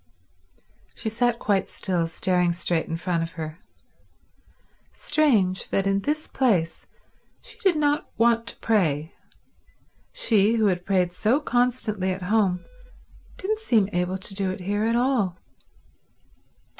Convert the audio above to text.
She sat quite still, staring straight in front of her. Strange that in this place she did not want to pray. She who had prayed so constantly at home didn't seem able to do it here at all.